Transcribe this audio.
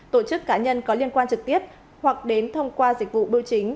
tổ chức cá nhân có liên quan trực tiếp hoặc đến thông qua dịch vụ bưu chính